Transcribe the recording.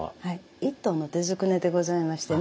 一燈の手捏ねでございましてね